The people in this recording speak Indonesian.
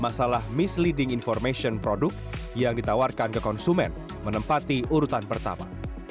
masalah misleading information produk yang ditawarkan ke konsumen menempati urutan pertama